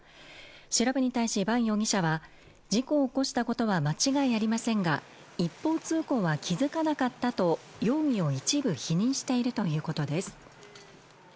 調べに対し伴容疑者は事故を起こしたことは間違いありませんが一方通行は気づかなかったと容疑を一部否認しているということです。